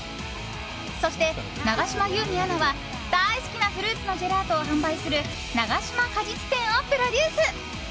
そして、永島優美アナは大好きなフルーツのジェラートを販売する永島果実店をプロデュース。